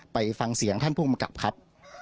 ไปฟังเสียงท่านผู้กำกับครับ